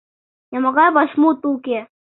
Нимогай вашмут уке.